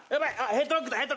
ヘッドロックだ！